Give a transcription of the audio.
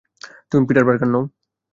তুমি Peter Parker নও।